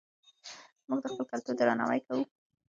موږ د خپل کلتور درناوی کوو.